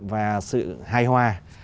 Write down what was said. và sự hài hòa